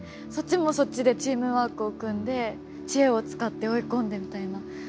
そっちもそっちでチームワークを組んで知恵を使って追い込んでみたいな。